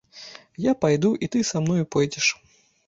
Я пайду, і ты са мною пойдзеш!